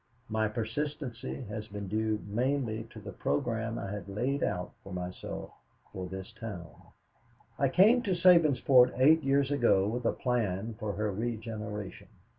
My persistency has been due mainly to the program I had laid out for myself for this town. "I came to Sabinsport eight years ago with a plan for her regeneration.